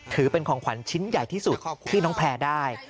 ถือเป็นของขวัญชิ้นใหญ่ที่สุดที่น้องแพร่ได้